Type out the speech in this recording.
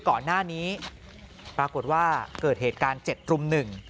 ก่อนหน้านี้ปรากฏว่าเกิดเหตุการณ์๗รุ่มหนึ่ง